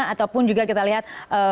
ataupun juga kita lihat